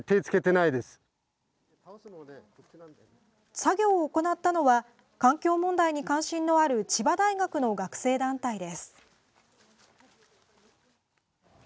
作業を行ったのは環境問題に関心のある千葉大学の学生団体です。